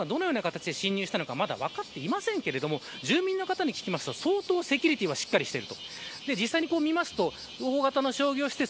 男がどのような形で進入したのか分かってませんが住民の方に聞くと、相当セキュリティーはしっかりしていると。